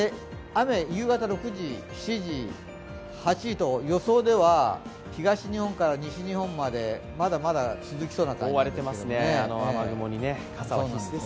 雨、夕方６時、７時、８時と予想では東日本から西日本まで、まだまだ続きそうですね。